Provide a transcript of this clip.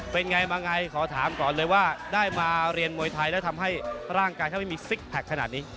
เป็นไงมาไงขอถามก่อนเลยว่าได้มาเรียนมวยไทยแล้วทำให้ร่างกายเขาไม่มีซิกแพคขนาดนี้